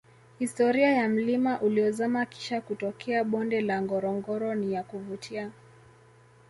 historia ya mlima uliozama Kisha kutokea bonde la ngorongoro ni ya kuvutia